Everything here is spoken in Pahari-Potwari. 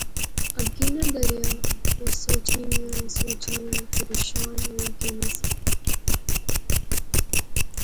اگی ناں دریا، او سوچنیاں سوچنیاں پریشان ہوئی گینی سی